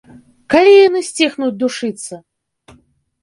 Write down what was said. Калі яны сціхнуць душыцца?